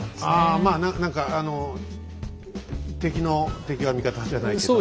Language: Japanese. あまあ何かあの敵の敵は味方じゃないけど。